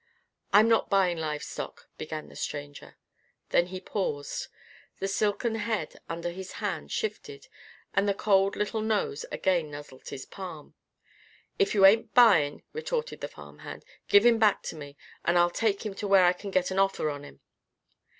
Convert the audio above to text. "I'm not buying livestock " began the stranger. Then he paused. The silken head under his hand shifted, and the cold little nose again nuzzled his palm. "If you ain't buyin'," retorted the farm hand, "give him back to me, and I'll take him to where I c'n git an offer on him."